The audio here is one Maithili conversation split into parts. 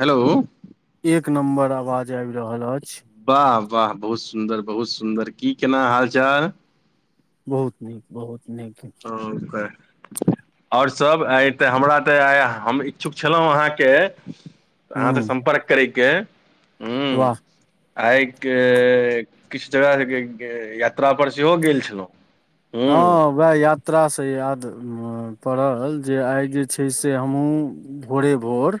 हेलो एक नम्बर आवाज आबि रहल अछि। वाह वाह बहुत सुन्दर बहुत सुन्दर की केना हाल चाल? बहुत नीक बहुत नीक। ओ के आओर सब आय ते हमरा तऽ हम इच्छुक छलौं अहाँके अहाँ से हूँ सम्पर्क करैके वाह आइके किछु जगह यात्रा पर सेहो गेल छलौं हँ वैह यात त्रा से याद पड़ल जे आइ जे छै से हमहुँ भोरे-भोर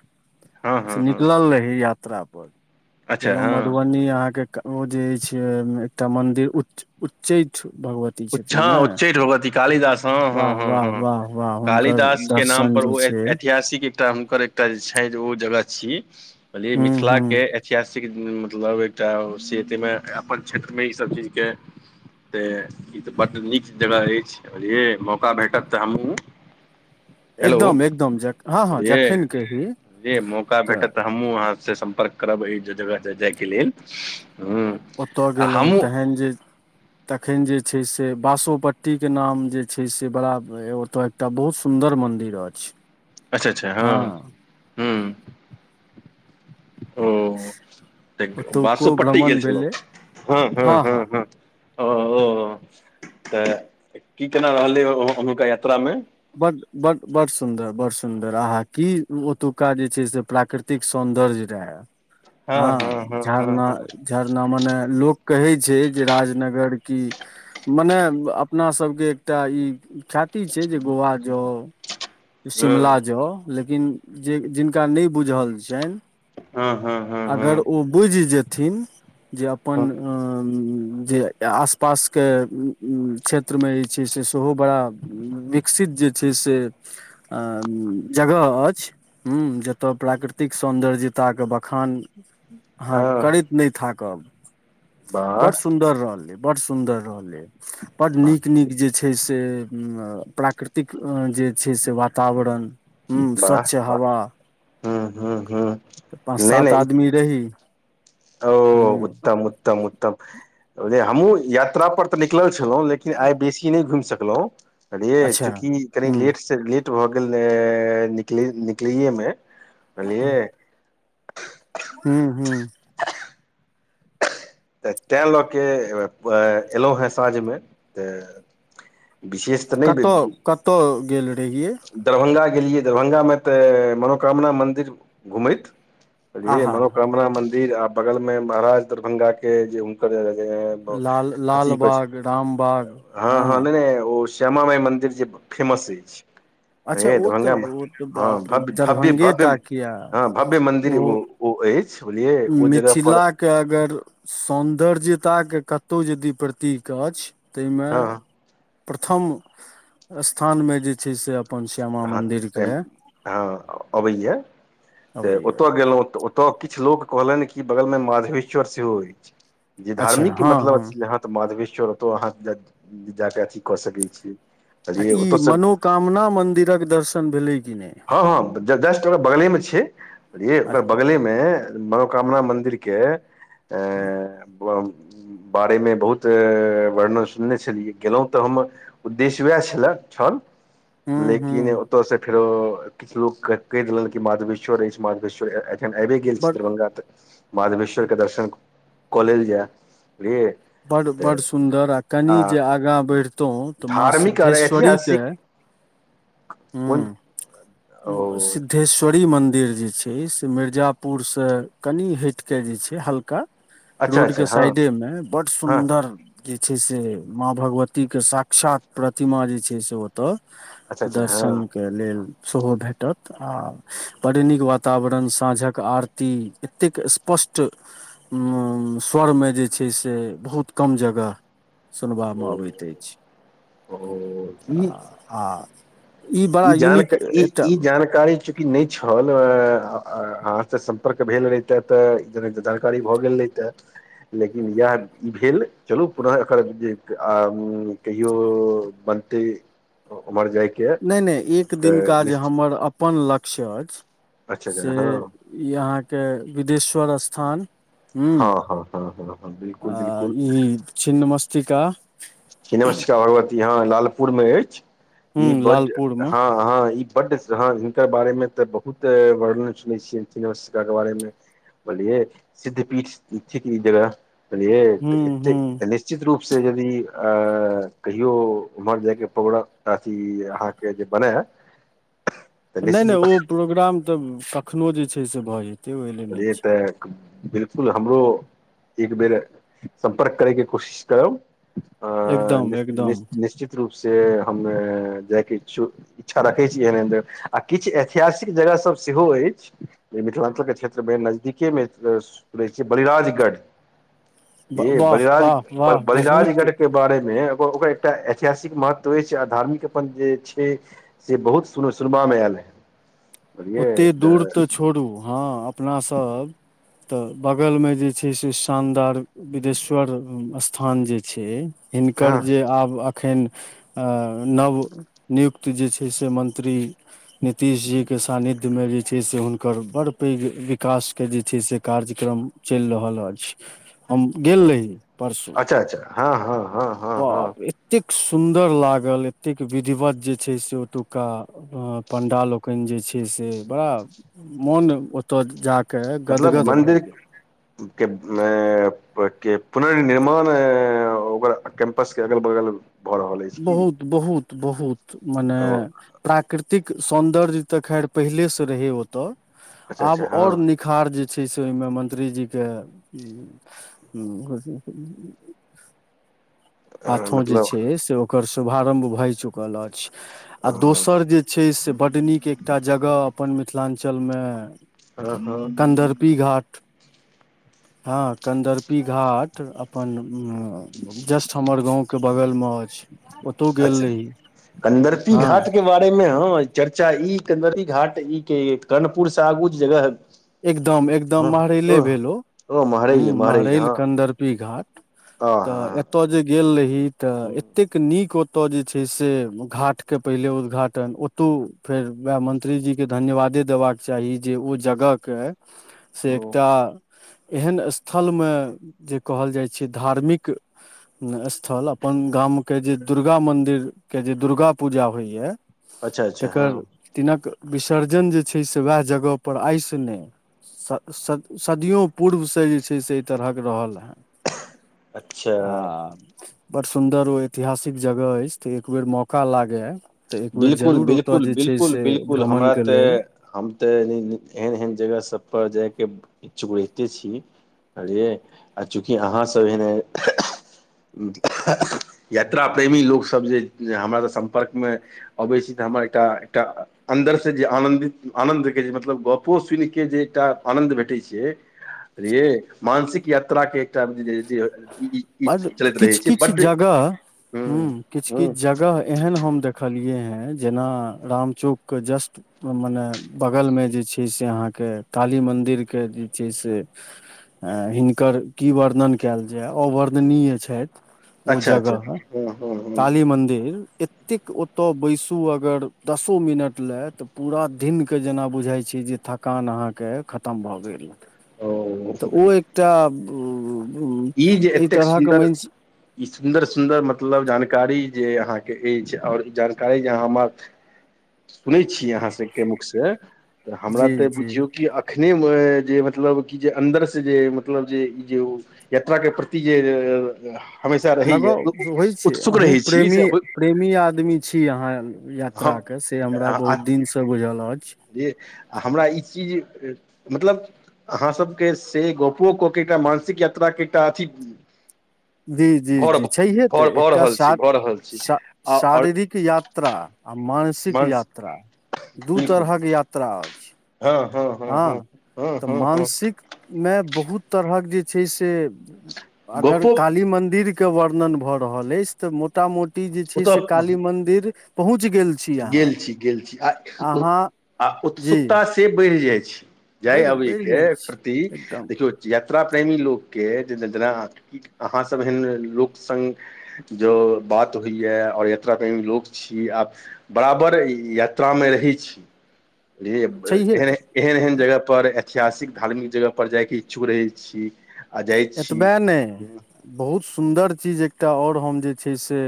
हँ से हँ हँ निकलल रही यात्रा पर। अच्छा गेलौं हँ मधुबनी अहाँके ओ जे छै एकटा मंदिर उच उच्चैठ भगवत उचछा हँ उच्चैठ भगवती कालिदास हँ वाह हँ हँ वाह हँ वाह वाह हुनकर कालिदास के नाम दर्शन पर जे ओ एक छै ऐतिहासिक एकटा हुनकर एकटा जे छैन जे ओ जगह छी बल हूँ मिथिला हूँ के छियासि के दिन मे मतलब एकटा से तामे अपन क्षेत्रमे ईसब चीजके ते ई तऽ बड्ड नीक जगह अछि बझलिये मौका भेटत तऽ हमहु हेलो एकदम एकदम हँ हँ झलियै जखन कही जे मौका भेटतऽ तऽ हमहुं आहाँ सए समर्क करब अई जगह जाइके लेल। हूँ आ ओतय गेलहुँ हमहूँ तेहन जे तखन जे छै से बासोपट्टीके नाम जे छै से बड़ा ओतऽ एकटा बहुत सुन्दर मंदिर अछि। अच्छा अच्छा हँ हूँ। ओ तऽ ओतुको बांसोपट्टी गेल भ्रमण छलौं भेलै हँ हँ हँ ह। ओ ओ तऽ की केना रहलै हुॅंनका यात्रा मे बड बड बड़ सुन्दर बड़ सुन्दर आहा की ओतुका जे छै से प्राकृतिक एतेक सौंन्दर्य रहऽ हँ झरना झरना मने लोक कहै छै जे राजनगर की मने अपना सबके एकटा ई ख्याति छै जे गोआ जाउ हँ शिमला जाउ लेकिन जे जिनका नै बुझल छनि हँ हँ हँ अगर हँ ओ बुझि जेथिन जे अपन आं जे आस पास के उ उ क्षेत्रमे जे छै से सेहो बड़ा विकसित जे छै से अ जगह अछ ह् जतय प्राकृतिक सौन्दर्यताके बखान अहाँ हँ करैत नहि थाकब वाह बड सुन्दर रहले बड़ सुन्दर रहलै बड वाह नीक नीक जे छै से प्रा प्र प्राकृतिक जे छै से वाक तावरण हुं वाह स्वच्छ वाह हवा हूँ हूँ हूँ पाँच नहि सात नहि आदमी देही ओ उत्तम उत्तम उत्तम ओजे हमहुँ या यात्रा पर तऽ निकलल छलहुँ लेकिन आइ बेसी नहि घुमि सकलहुँ झलियइ अच्छा चूँकि कनि लेट हूँ सँ लेट भऽ गेल निकल निकलैए मे बझलियए हू हू तऽ तैँ लऽ कऽ एलहुँ हेँ साँझमे तऽ विशेष तऽ कतऽ नहि कतहु गेल रहियै दरभंगा गेलियै दरभंगा मे तऽ मनोकामना मन्दिर घुमैत बलै आहा हा मनोकामना मंदिर आ बगल में महाराज दरभंगा के जे हुनकर लाल अची छै लालबाग रामबाग हँ हँ नहि ओ श्यामा माइ मन्दिर जे फेमस अछि अच्छा ह ओ तऽ दरभंगामे ओ तऽ हँ बाप रे भव्य भव्य दरभंगे भव्य टा किया हँ भव्य मन्दिर ओ ओ अछि बुझलियै ओ जगह पर मिथिला के अगर सौन्दर्यताा के कतौ यदि प्रतीक अछ ताहिमे हँ प्रथम स्थानमे जे छै से अपन श्यामा हँ मन्दिरके अबैया तऽ अबैया ओतऽ गेलहुँ तऽ किछु लोक कहलनि कि बगल मे माधवेश्वर सेहो अछि जे अच्छा धार्मिक के हँ मतलब हँ अछि तऽ माधवेश्वर ओतौ अहाँ जाक अथी कऽ सकैत छी आ बुझलियै ई ओतयसँ मनोकामना मंदिरक दर्शन भेले कि नय हँ ह जस्ट ओकर बगले मे छै ओकर बगले मे मे मनोकामना मन्दिर के अ बारेमे बहुत वर्णन सुनने छलियै गेलहुँ तऽ हम उद्देश्य उएह छल छल हूं हूं लेकिन ओतयसँ फेरो किछु लोककेँ कहि देलनि कि माधवेश्वर अछि मधवेश्वर एखन आबिे गेल बड़ छी दरभंगा तऽ माधवेश्वर के दर्शन कऽ लेल जाय बुझलिय बड़ बड़ सुन्दर आ कनि जे आगाँ बढ़ितहुँ तऽ माँ धार्मिक आओर सिद्धेश्वरी के ऐतिहासिक कोन ओ सिद् दोश्वरी मंदिर जे छै से मिर्जापुर से कनि हट के जे छै हल्का अच्छा रोड के अच्छा हँ साइडे में बड हँ सुंन्दर जे छै से माँ भगवती के साक्षात प्रतिमा जे छै से ओ तऽ अच्छा अच्छा हँ दर्शनक के लेल सेहो भेटत आ पड़ नीक वातावरण साँझक आरती एतेक स्पष्ट स्वर मे जे छै से बहुत कम जगह सुनबा मे ओ अबैत अछि ओ आ ई आ ई बड़ा यूनिक जानकऽ ई एकटा ई जानकऽ ी चूकी नहि छलहाँ आहाँ सऽ सम्पर्क भेल रहते तऽ कारी भऽ गेल रहतय लेकिन इएह ई भेल चलू पुनः एकर जे कहियो बनते उमर जायके नहि नहि एक तऽ दिनका जे निश्चित हमर अपन लक्ष्य अछि अच्छा अच्छा से हँ ई अहाँके बिदेश्वर स्थान हूँ हँ हँ हँ हँ हँ बि आ ई छिन्मस्तिका छिन्नमस्तिका भगवती हं लालपुर मे अछि हूँ ई बड्ड लालपुर मे हँ हँ ई बड्ड हँ हिनकर बारे मे तऽ बहुत वर्णन सुुने छियै चिन्िका के बारे मे बुझलिए सिद्ध पीठ छै की जगह हूँ हूँ बुझलिए निश्चित रूप से यदि अ कहियो उमहर जायके पौरोग्राम अथी अहाँके जे बनाय नहि नहि ओ प्रोग्राम तऽ कखनो जे छै से भऽ जेतै ओहि लेल नहि छै [unintelligible] बिल्कुल हमरो एक बेेर सम्पर्क करैके कोशिश करब हं एकदम निश एकदम निश्चि निश्चित रूप से हम जायके इचछुक इच्छा रखैत छी एहन एहन जगह आ किछ ऐतिहासिक जगह सब सेहो अछि जे मिथिलाञ्चल के क्षे सबे नजदीके मे स सूं रहै छै बलिराजगढ़ ऐ वाह बलिराज वाह ग वाह बलिराज बहुत गढ़ के बारे मे गर ओकर एकटा ऐतिहासिक महत्व अछि आ धार्मिक अपन जे छै से बहुत सुन सुनबामे आएल ए ओते दूर तऽ छोरु हँ अपनासभ तऽ बगलमे जे छै से शानदार बिदेश्वर स्थान जे छै हिनकर हँ जे आब अखनि आ नव नियुक्त जे छै से मंत्री नीतिश जीक के सान्निध्य मे जे छै से हुनकर बड़ पैघ विकास के जे छै से कार्यक्रम चलि रहल अछि हम गेल रही परसू अच्छा अच्छा हँ हँ हँ हँ हँ बाप रे एतेक सुन्दर लागल एतेक विधिवत जे छै से ओतुक्का हँ पंडा लोकनि जे छै से बड़ा मोन ओत जा कऽ मतलब मन्दिर के मे के पुनर्निर्माण अऽ ओकरा कैम्पस के अगल बगल भऽ रहल अछि की बहुत बहुत बहुत मने ओ प्राकृतिक सौंन्दर्ज तऽ खैर पहिले सऽ रहै ओतय अच्छा आब अच्छा हँ और नीक खार जे छै से ओइमे मंत्री जी के अ, हाथो जे मतलब छै से ओकर शुभारम्भ भए चुकल अछि आ हँ दोसर जे छै से बड्ड नीक एकटा जगह अपन मिथिलाञ्चलमे हँ हँ पी घाट हं कंदर्पी घाट अपन जस्ट हमर गाँके बगलमे अछि ओतौ गेल अच्छा रही कंदर्पी हँ घाट के बारेमे हँ अं चर्चा ई कंदर्पी घाट ई के कर्णपुर से आगू जेबय एकदम हं एकदम हं महरैले भेल ओ ओ महरै हूँ ये महरै ये महरैल हँ हं त एत जे गेल रही त एतेक नीक ओत जे छै से घाटके पहिले उद्घाटन तू फेर वए मंत्री जी के धन्यवादे देबाक चाही जे ओ जगह के से ओ एकटा एहन स्थलमे जे कहल जाइ छै धार्मिक ने स्थल, अपन गाम के जे दुर्गा मंदिर के जे दुर्गा पूजा होइया अच्छा अच्छा हँ तकर तिनक विसर्जन जे छै से वएह जगह पर आइस ने स स सदियो पूर्व से जे छै से एहि तरहक रहल हेँ आ अच्छा बड़ सुन्दर ओ ऐतिहासिक जगह अछि तऽ एक बेर मौका लागय तऽ एक बेर बिलकुल जरूर ओतय बिलकुल जे छै बिलकुल से बिलकुल भ्रमण हमरा के तऽ लेल हम तऽ एहन एहन जगह सभपर जायके इच चुगड़िते छी भुजालिये आ चूँकि अहाँसभ एने यात्रा प्रेमी लोक सभ जे हमरास सम्पर्क मे अबै छी त हमर एकटा एकटा अन्दरसँ जे आनन्दित आनन्दके जे मतलब गप्पो सुनि क जे एकटा आनन्द भेटैत छै ये मानसिक यात्रा के आब जे जे ई ई बड चलैत रहै छै बड्ड हूँ हुं किछ किछ हूँ जगह एहन हम देख देखलिअइ हें जेना राम चौक के जस्ट मने बगल मे जे छै से अहाँ के काली मन्दिर के जे छै से हिनकर की वर्णन कयल जाय अवर्णनीय छथि ओ अच्छा अच्छा जगह हूँ हूँ हूँ काली मदिर ए एतेक ओतय बैसू अगर दसो मिनट लए तऽ पूरा दिनके जेना बुझाइ छै जे थकान अहाँके खतम भए गेल तऽ ओ एकटा उ ह ई जे एहि एतेक तरहके सुन्दर म ई सुन्दर सुन्दर मतलब जानकारी जे अहाँके अछि आओर ई जानकारी जे अहाँ हमर सुनै छियै अहाँ सबके मुख से तऽ हमरा जी तऽ जी बुझियौ कि एखने जे मतलब कि जे अन्दर से जे मतलब जे ई जे ओ यात्रा के प्रति जे हमेशा रहैय लगाव होइ छै उत्सुक अहूँ रहै छी प्रेमी से प्रेमी आदमी छी अहाँ यात्रा हम के से हमरा बहुत दिन से बुझल अछि जे आ हमरा ई चीज मतलब अहाँ सबके से गपो कऽ के एकटा मानसिक यात्रा के एकटा अथी जी जी भऽ जी छैहे भऽ तऽ भऽ एकटा रहल छी शार भऽ रहल छी आओर शारीरिक याता यात्रा आ मानसिक मांस यात्रा दू बिलकुल तरहक यात्रा होइ अछि हँ हँ हँ हँ तऽ हँ हँ मानसिक मे बहुत तरहक जे छै से अगर गप्पो काली मन्दिर के वर्णन भऽ रहल अछि तऽ मोटा मोटी जे छै से ओतय काली मंदिर पहुँच गेल छी अहाँ गेल छी गेल छी आ अहाँ आ जी उत्सुकताास से बढ़ि जाइ छी जाय बढ़ि अबी बढ़ि के जाइ प्रति छी एकदम देखियौ यात्रा प्रेमी लोकके जे जेना अहाँसभ एहन लोक सांग जो बात होइए आओर यात्रा प्रेमी लोक छी आब बराबर यात्रा मे रहै छी जे छैहे एहन तऽ एहन एहन जगहपर ऐतिहासिक धार्मिक जगहपर जाइके इच्छुक रहै छी आ जाइ छी एतबे ने बहुत सुन्दर चीज एकटा आओर हम जे छै से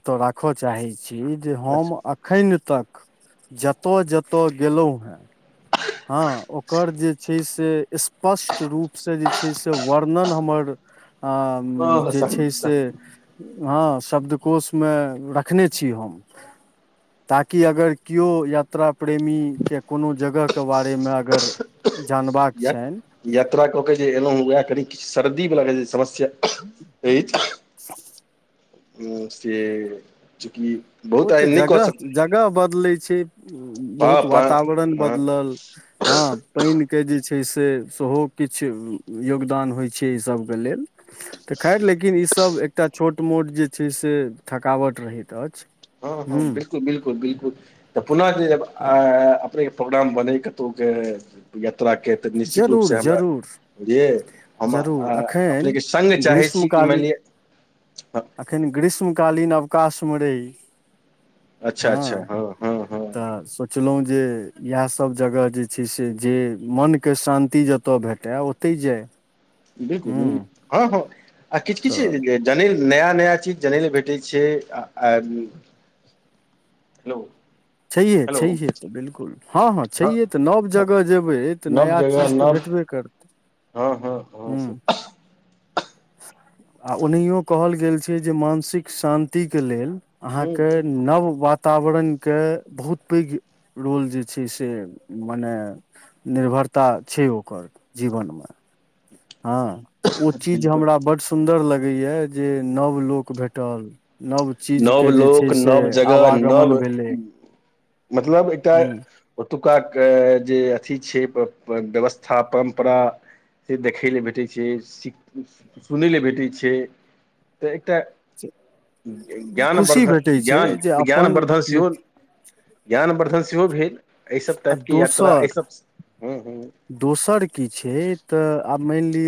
एतय राख चाहै छी जे हम अखन तक जतऽ जतय गेलहुं हेँ हाँ ओकर जे छै से स्पष्ट रूपसँ जे छै से वर्णन हमर हाँ आ जे छै हँ से हाँ शब्दकोशमे रखने छी हम ताकि अगर केओ यात्रा प्रेमी के कोनो जगह के बारेमे अगर जानबाक छनि यात्रा कऽ के जे एलहूँ उएह कनि किछु सर्दी बला के जे समस्या अछि [inaudible] हूँ से चूकि ओ तऽ जगह जगह बदलै छै पा बहुत पा वातावरण हँ बदलल हाँ पानिके जे छै से सेहो किछु योगदान होइ छै एहि सभके लेल तऽ खैर लेकिन ईसभ एकटा छोट मोट जे छै से थकावट रहैत अछि हाँ हाँ हूँ बिल्कुल बिल्कुल बिल्कुल तऽ पुनः जे तऽ ए-अ-आ प्रोग्राम बनै कतहुके यात्राके तऽ निश्चित जरूर रूपसँ हमरा जरूर बुझलियै हम जरूर एखन अ-अपनेके सङ्ग चाहै छी कि मानिलिअ अखन ग्रीष्म कालीन अवकाशमे रहि। अच्छा अच्छा हाँ हाँ हाँ तऽ सोचलहुँ जे इएहसभ जगह जे छै से जे मनके शान्ति जतय भेटय ओ- तै जाय बिल्कुल हूँ हाँ हाँ आ किछ किछ तऽ जे जनै लए नया नया चीज जनैए लए भेटै छै आ-आ हेलो छहिए हेलो छहिए तऽ बिल्कुल हाँ हाँ हँ छैये तऽ नव जगह जेबै तऽ नया चीज तऽ भेटबे करतै हाँ हाँ हाँ हूँ से आ ओनहियो कहल गेल छै जे मानसिक शान्ति के लेल। अहाँके नव वातावरण। के बहुत पैघ रोल जे छै से मने। निर्भरता छै ओकर जीवनमे हाँ तऽ ओ चीज बिलकुल हमरा बड सुन्दर लगैइया जे नव लोक भेटल। नव चीज नव के जे छै लोक से नव जगह नव आवागमन भेलै। मतलब एकटा। हूँ ओतुक्का के जे अथी छै व्यवस्था परम्परा। से देखय लेल भेटैत छै सि-सिख सुनय लाए भेटै छै तऽ एकटा। ज्ञ-ज्ञान खुशी बर्धन भेटै छै ज्ञान जे अपन ज्ञानवर्धन सेहो मित्र ज्ञानवर्द्धन सेहो भेल एहि सभ आ टाइप के यात्रा एहि दोसर सभ हँ हूँ दोसर की छै तऽ आब मान लिए।